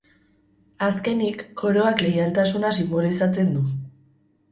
Azkenik, koroak leialtasuna sinbolizatzen du.